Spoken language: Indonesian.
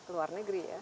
luar negeri ya